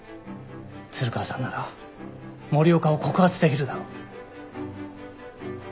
鶴川さんなら森岡を告発できるだろ。